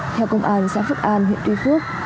theo công an xã phước an huyện tuy phước